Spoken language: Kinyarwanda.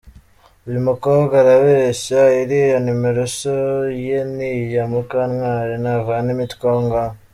Uyu mukobwa arabeshya iriya numero so iye ni iya mukantwari; navane imitwe aho ngaho.